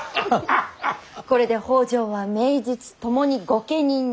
これで北条は名実ともに御家人の筆頭。